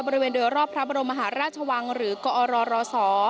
บริเวณโดยรอบพระบรมมหาราชวังหรือกอรศ